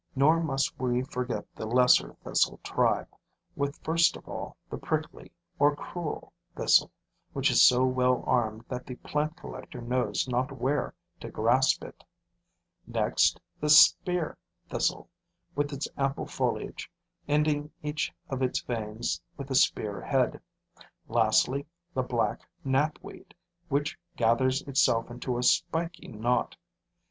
Nor must we forget the lesser thistle tribe, with first of all, the prickly or 'cruel' thistle, which is so well armed that the plant collector knows not where to grasp it; next, the spear thistle, with its ample foliage, ending each of its veins with a spear head; lastly, the black knapweed, which gathers itself into a spiky knot.